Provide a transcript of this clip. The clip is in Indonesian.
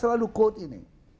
saya selalu kutip ini